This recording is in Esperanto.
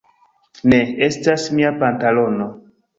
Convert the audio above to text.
Ne! Estas mia pantalono!